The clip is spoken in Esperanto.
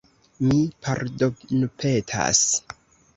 Mi pardonpetas!